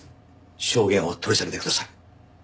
証言を取り下げてください。